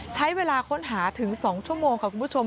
ใช้เวลาค้นหาถึง๒ชั่วโมงค่ะคุณผู้ชม